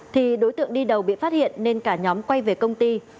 thì đối tượng đi đầu bị phát hiện nên cả nhóm quay về công ty